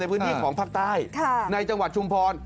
พื้นที่ของภาคใต้ในจังหวัดชุมพร